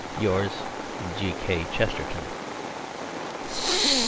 Yours , G.K. CHESTERTON.